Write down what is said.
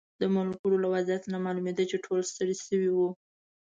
د ملګرو له وضعیت نه معلومېده چې ټول ستړي شوي وو.